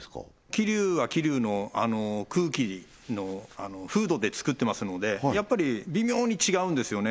桐生は桐生の空気の風土で作ってますのでやっぱり微妙に違うんですよね